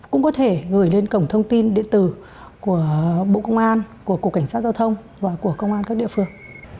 cũng có thể gửi lên cổng thông tin điện tử của bộ công an của cục cảnh sát giao thông và của công an các địa phương